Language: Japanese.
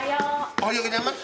おはようございます。